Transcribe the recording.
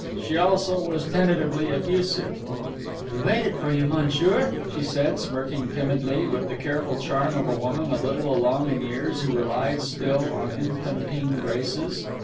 She also was tentatively effusive. "We waited for you, monsieur," she said, smirking timidly, with the careful charm of a woman a little along in years who relies still on infantine graces.